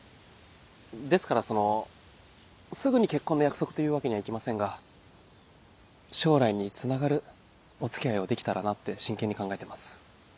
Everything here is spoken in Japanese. ですからそのすぐに結婚の約束というわけにはいきませんが将来につながるお付き合いをできたらなって真剣に考えてます。